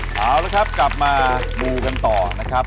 เอาละครับกลับมามูกันต่อนะครับ